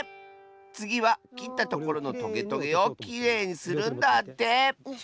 つぎはきったところのトゲトゲをきれいにするんだって！